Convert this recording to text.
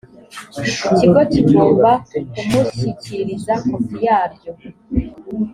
ikigo kigomba kumushyikiriza kopi ya ryo